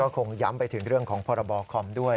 คงย้ำไปถึงเรื่องของพรบคอมด้วย